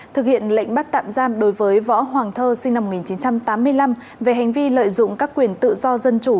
thực hiện lệnh bắt tạm giam đối với võ hoàng thơ sinh năm một nghìn chín trăm tám mươi năm về hành vi lợi dụng các quyền tự do dân chủ